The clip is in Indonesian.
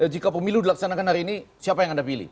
jika pemilu dilaksanakan hari ini siapa yang anda pilih